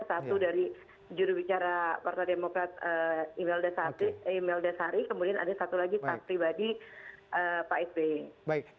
satu dari juru bicara kota demokrat imelda sari kemudian ada satu lagi pribadi pak s b